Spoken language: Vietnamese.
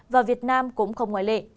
và việt nam cũng không ngoài lệ